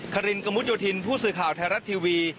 ครินกระมุดโยธินผู้สื่อข่าวไทยรัฐทีวี